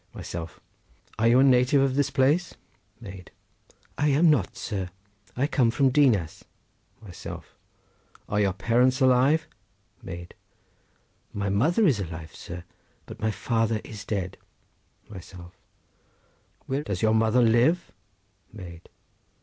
Myself.—Are you a native of this place? Maid.—I am not, sir; I come from Dinas. Myself.—Are your parents alive? Maid.—My mother is alive, sir, but my father is dead. Myself.—Where does your mother live? Maid.